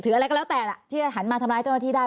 อะไรก็แล้วแต่ล่ะที่จะหันมาทำร้ายเจ้าหน้าที่ได้